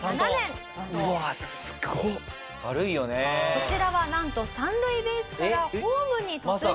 こちらはなんと三塁ベースからホームに突入します。